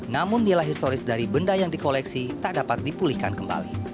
namun nilai historis dari benda yang dikoleksi tak dapat dipulihkan kembali